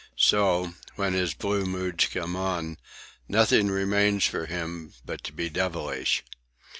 So, when his blue moods come on, nothing remains for him, but to be devilish.